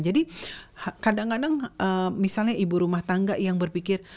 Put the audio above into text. jadi kadang kadang misalnya ibu rumah tangga yang berpikir